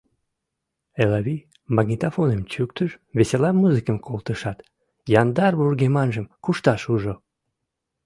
Элавий магнитофоным чӱктыш, весела музыкым колтышат, яндар вургеманжым кушташ ужо.